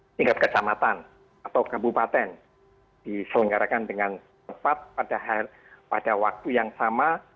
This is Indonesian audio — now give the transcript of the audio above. tingkat kecamatan atau kabupaten diselenggarakan dengan tepat pada waktu yang sama